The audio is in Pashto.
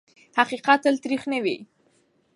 حقیقت تل تریخ نه وي.